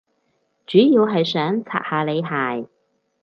主要係想刷下你鞋